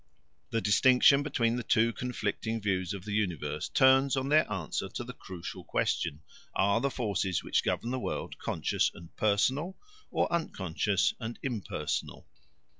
The distinction between the two conflicting views of the universe turns on their answer to the crucial question, Are the forces which govern the world conscious and personal, or unconscious and impersonal?